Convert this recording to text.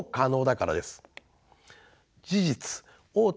事実大手